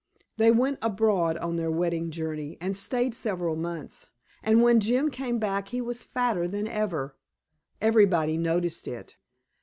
They went abroad on their wedding journey, and stayed several months. And when Jim came back he was fatter than ever. Everybody noticed it.